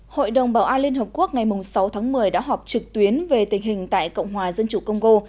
hội đồng bảo an liên hợp quốc ngày sáu tháng một mươi đã họp trực tuyến về tình hình tại cộng hòa dân chủ congo